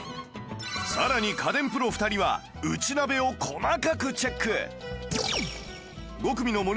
更に家電プロ２人は内鍋を細かくチェック